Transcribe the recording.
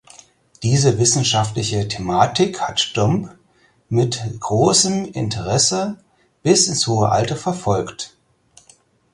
Diese wissenschaftliche Thematik hat Stumpp mit großem Interesse bis ins hohe Alter verfolgt.